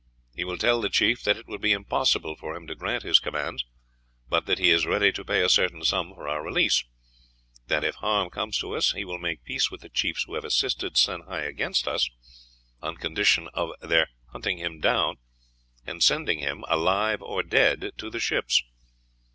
"He will tell the chief that it would be impossible for him to grant his commands, but that he is ready to pay a certain sum for our release; that if harm comes to us, he will make peace with the chiefs who have assisted Sehi against us, on condition of their hunting him down and sending him alive or dead to the ships.